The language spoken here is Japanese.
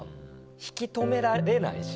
引き留められないし。